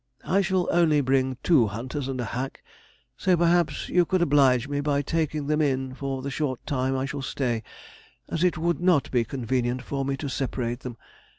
I shall only bring two hunters and a hack, so perhaps you could oblige me by taking them in for the short time I shall stay, as it would not be convenient for me to separate them.